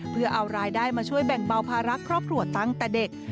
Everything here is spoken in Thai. เพื่อเอารายได้มาช่วยแบ่งเบาภาระครอบครัวตั้งแต่เด็ก